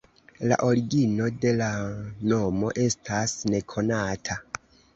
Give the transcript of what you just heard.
La origino de la nomo estas nekonata.